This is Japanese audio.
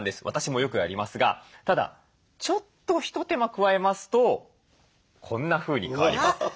私もよくやりますがただちょっと一手間加えますとこんなふうに変わります。